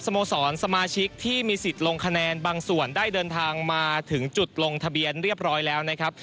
โมสรสมาชิกที่มีสิทธิ์ลงคะแนนบางส่วนได้เดินทางมาถึงจุดลงทะเบียนเรียบร้อยแล้วนะครับ